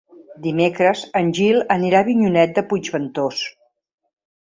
Dimecres en Gil anirà a Avinyonet de Puigventós.